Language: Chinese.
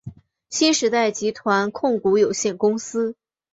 新时代集团控股有限公司。